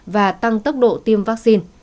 và tăng tốc độ tiêm vaccine